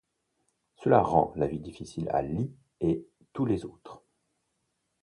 Cela rend la vie difficile à Lee et tous les autres.